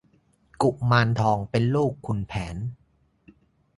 กุมารทองเป็นลูกขุนแผน